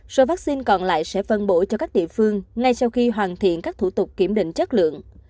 số vaccine còn lại sẽ phân bổ cho các địa phương ngay sau khi hoàn thiện các thủ tục kiểm định chất lượng